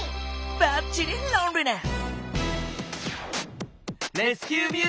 ばっちりロンリネース！